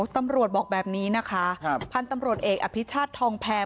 ตำรวจบอกแบบนี้นะคะพันธุ์ตำรวจเอกอภิชาติทองแพม